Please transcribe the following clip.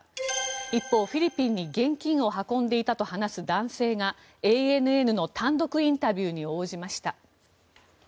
一方、フィリピンに現金を運んでいたと話す男性がＡＮＮの単独インタビューに応じました。